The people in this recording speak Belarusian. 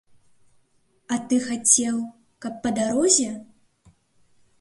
А ты хацеў, каб па дарозе?